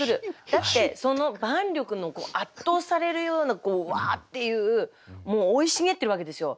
だってその万緑の圧倒されるようなこうワーッていうもう生い茂ってるわけですよ。